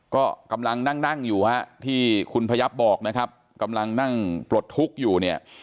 ก็กำลังนั่งนั่งอยู่ฮะที่คุณพยับบอกนะครับกำลังนั่งปลดทุกข์อยู่เนี่ย